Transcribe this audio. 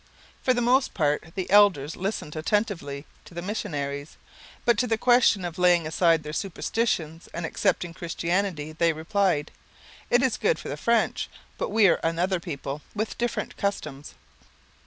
For the most part the elders listened attentively to the missionaries, but to the question of laying aside their superstitions and accepting Christianity they replied: 'It is good for the French; but we are another people, with different customs.'